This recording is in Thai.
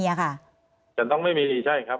อย่างนั้นต้องไม่มีใช่ครับ